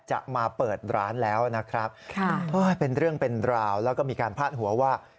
จะมาเปิดร้านแล้วนะครับเป็นเรื่องเป็นราวแล้วก็มีการพาดหัวว่า